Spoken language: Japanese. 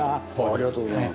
ありがとうございます。